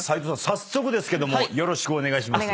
早速ですけどよろしくお願いします。